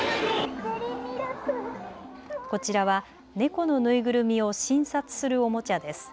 こちらは猫の縫いぐるみを診察するおもちゃです。